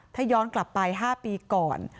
ถ้าย้อนกลับไป๕ปีก่อน